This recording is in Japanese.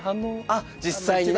あっ実際に。